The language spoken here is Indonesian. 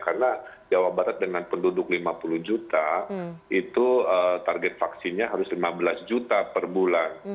karena jawa barat dengan penduduk lima puluh juta itu target vaksinnya harus lima belas juta per bulan